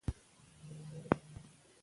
کار د انسان لپاره تجربه جوړوي